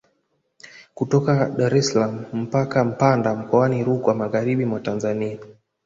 Kutoka Dar es salaam mpaka Mpanda mkoa ni Rukwa magharibi mwa Tanzania